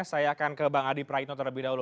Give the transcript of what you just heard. saya akan ke bang adi praitno terlebih dahulu